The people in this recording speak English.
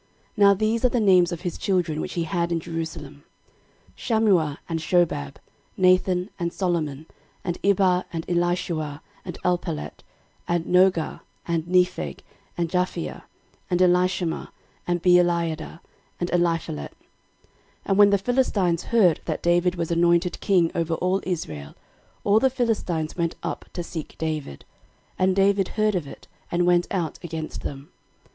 13:014:004 Now these are the names of his children which he had in Jerusalem; Shammua, and Shobab, Nathan, and Solomon, 13:014:005 And Ibhar, and Elishua, and Elpalet, 13:014:006 And Nogah, and Nepheg, and Japhia, 13:014:007 And Elishama, and Beeliada, and Eliphalet. 13:014:008 And when the Philistines heard that David was anointed king over all Israel, all the Philistines went up to seek David. And David heard of it, and went out against them.